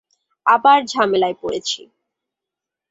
আবার ঝামেলায় পড়েছি।